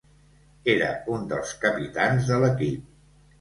Era un dels capitans de l'equip.